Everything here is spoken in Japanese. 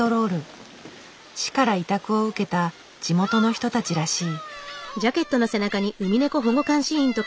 市から委託を受けた地元の人たちらしい。